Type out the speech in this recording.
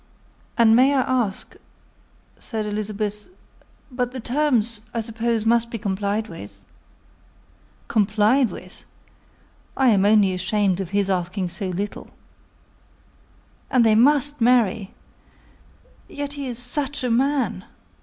"And may I ask?" said Elizabeth; "but the terms, I suppose, must be complied with." "Complied with! I am only ashamed of his asking so little." "And they must marry! Yet he is such a man."